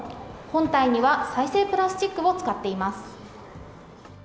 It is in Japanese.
本体には再生プラスチックを使っています。